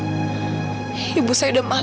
saya gak tahu ibu saya lagi dimana sekarang